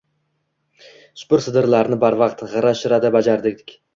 Supur-sidirlarni barvaqt, g‘ira-shirada bajarardik.